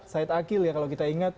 said akil ya kalau kita ingat